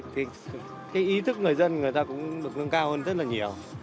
thì cái ý thức người dân người ta cũng được nâng cao hơn rất là nhiều